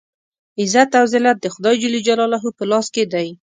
عزت او ذلت د خدای جل جلاله په لاس کې دی.